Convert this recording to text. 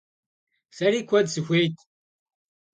Сэри куэд сыхуейт.